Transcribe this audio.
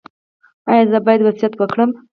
ایا زه باید وصیت وکړم؟